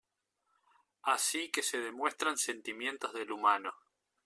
A Si que se demuestran sentimientos del humano.